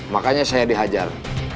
makanya saya dihajar